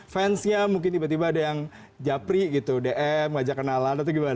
fansnya mungkin tiba tiba ada yang japri gitu dm wajah kenalan atau gimana